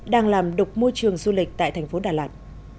đang làm đục môi trường du lịch tại tp đà lạt